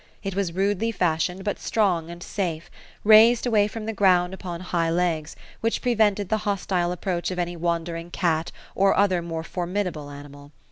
It was rudely fashioned but strong and safe, raised away from the ground upon high legs, which prevented the hostile approach of any wandering cat or other more formidable an imal.